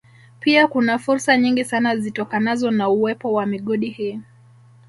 Pia kuna fursa nyingi sana zitokanazo na uwepo wa migodi hii